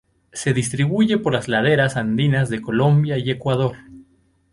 Se distribuye por las laderas andinas de Colombia y Ecuador.